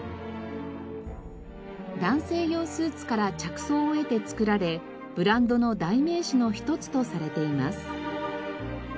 男性用スーツから着想を得て作られブランドの代名詞の一つとされています。